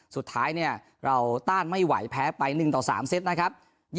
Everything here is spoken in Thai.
สุดท้ายเนี่ยเราต้านไม่ไหวแพ้ไป๑ต่อ๓เซตนะครับ